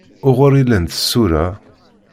Uɣur i llant tsura?